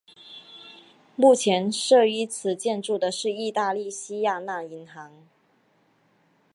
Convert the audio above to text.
目前设于此建筑的是意大利西雅那银行。